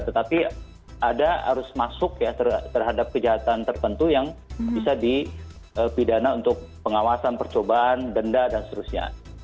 tetapi ada arus masuk ya terhadap kejahatan tertentu yang bisa dipidana untuk pengawasan percobaan denda dan seterusnya